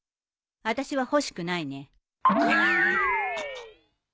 私は欲しくないね。